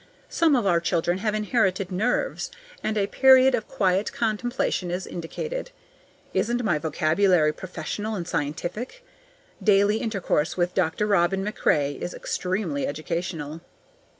Some of our children have inherited nerves, and a period of quiet contemplation is indicated. Isn't my vocabulary professional and scientific? Daily intercourse with Dr. Robin MacRae is extremely educational.